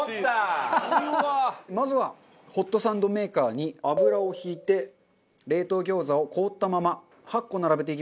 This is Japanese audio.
まずはホットサンドメーカーに油を引いて冷凍餃子を凍ったまま８個並べていきます。